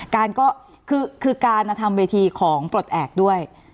การก็คือการทำเวทีของปลดแอบด้วย